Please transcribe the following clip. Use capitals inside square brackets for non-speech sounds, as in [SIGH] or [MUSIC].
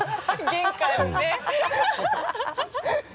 玄関にね [LAUGHS]